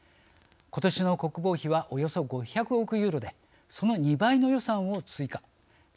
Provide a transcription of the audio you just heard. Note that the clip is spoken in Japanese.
ことしの国防費はおよそ５００億ユーロでその２倍の予算を追加